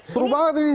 seru banget ini